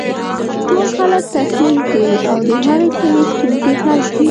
ټول خلک تسلیم کړي او د هغې سیمې ستونزې حل کړي.